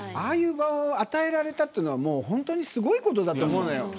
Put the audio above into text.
ああいう場を与えられたというのは本当にすごいことだと思うのよ。